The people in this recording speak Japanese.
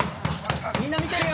みんな見てるよ！